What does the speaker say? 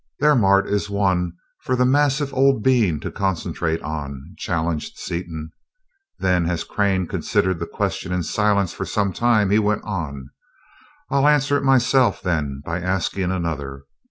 "There, Mart, is one for the massive old bean to concentrate on," challenged Seaton: then, as Crane considered the question in silence for some time he went on: "I'll answer it myself, then, by asking another.